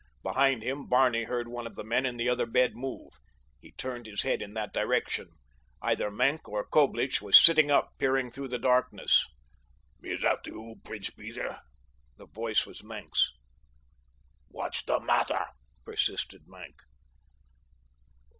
Behind him Barney heard one of the men in the other bed move. He turned his head in that direction. Either Maenck or Coblich was sitting up peering through the darkness. "Is that you, Prince Peter?" The voice was Maenck's. "What's the matter?" persisted Maenck.